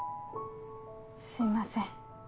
すいません。